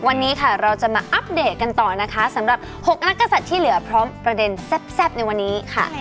วันนี้ค่ะเราจะมาอัปเดตกันต่อนะคะสำหรับ๖นักศัตริย์ที่เหลือพร้อมประเด็นแซ่บในวันนี้ค่ะ